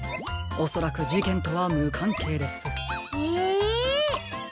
おそらくじけんとはむかんけいです。え。